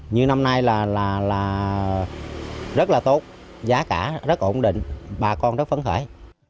như năm nay là rất là tốt giá cả rất ổn định bà con rất phấn khởi